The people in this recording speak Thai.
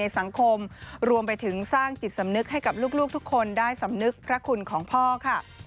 สำนึกให้กับลูกทุกคนได้สำนึกพระคุณของพ่อค่ะ